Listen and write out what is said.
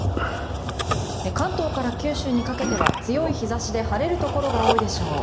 関東から九州にかけては強い日差しで晴れるところが多いでしょう。